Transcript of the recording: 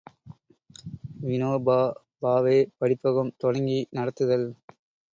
● வினோபா பாவே படிப்பகம் தொடங்கி நடத்துதல்.